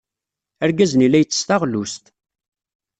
Argaz-nni la ittess taɣlust.